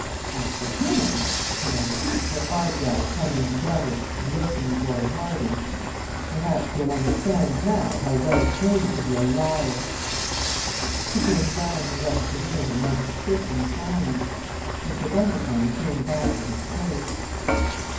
As for him," she added, her eyebrows coming together and looking toward Harding, "perhaps he'll understand now how well it pays to be a liar!" She turned round and left the room amid a stricken silence. Mr. Bundercombe came back to his place.